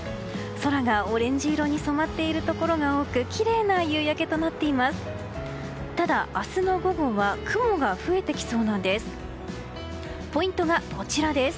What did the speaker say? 空がオレンジ色に染まっているところが多くきれいな夕焼けとなっています。